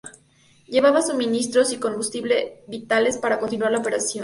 Llevaban suministros y combustible, vitales para continuar la operación.